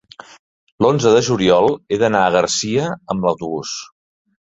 l'onze de juliol he d'anar a Garcia amb autobús.